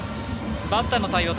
バッターの対応